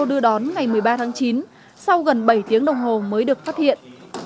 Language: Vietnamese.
đưa đón ngày một mươi ba tháng chín sau gần bảy tiếng đồng hồ mới được phát hiện